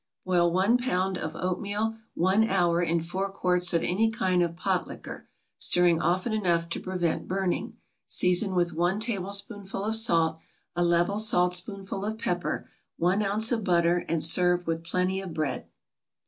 = Boil one pound of oatmeal one hour in four quarts of any kind of pot liquor, stirring often enough to prevent burning; season with one tablespoonful of salt, a level saltspoonful of pepper, one ounce of butter, and serve with plenty of bread.